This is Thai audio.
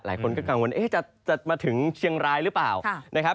หลายคนก็กังวลจะมาถึงเชียงรายหรือเปล่านะครับ